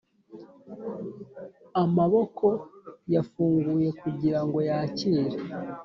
amaboko yafunguye kugirango yakire